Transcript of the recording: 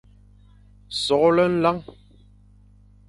Soghle nlañ,